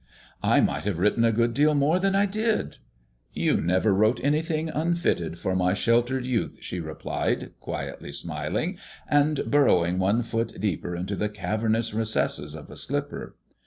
"I might have written a good deal more than I did." "You never wrote anything unfitted for my sheltered youth," she replied, quietly smiling, and burrowing one foot deeper into the cavernous recesses of a slipper.